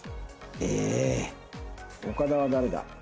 えーっ岡田は誰だ？